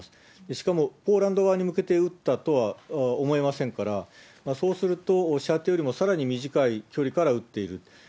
しかも、ポーランド側に向けて撃ったとは思えませんから、そうすると、おっしゃっているよりもさらに短い距離から撃っている。